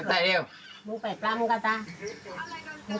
หนูไปปรับกระต่าง